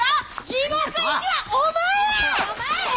地獄行きはお前や！